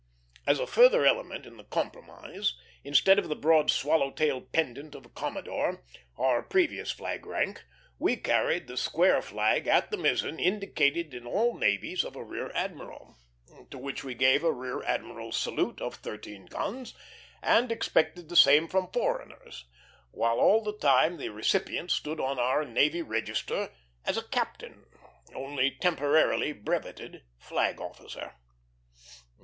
As a further element in the compromise, instead of the broad swallow tailed pendant of a commodore, our previous flag rank, we carried the square flag at the mizzen indicative in all navies of a rear admiral, to which we gave a rear admiral's salute of thirteen guns, and expected the same from foreigners; while all the time the recipient stood on our Navy Register as a captain, only temporarily brevetted Flag officer.